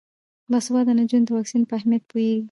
باسواده نجونې د واکسین په اهمیت پوهیږي.